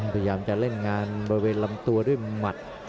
พยายามจะเล่นงานบริเวณลำตัวด้วยหมัด